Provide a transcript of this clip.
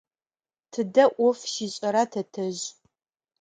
Тыдэ ӏоф щишӏэра тэтэжъ?